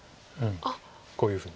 こういうふうに。